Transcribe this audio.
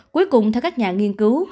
cuối cùng theo các nhà nghiên cứu